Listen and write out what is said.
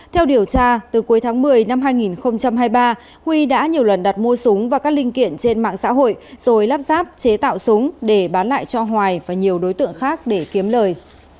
theo điều tra từ cuối tháng một mươi năm hai nghìn hai mươi ba huy đã nhiều lần đặt mua súng và các linh kiện trên mạng xã hội rồi lắp ráp chế tạo súng để bán lại cho hoài và nhiều đối tượng khác để kiếm lời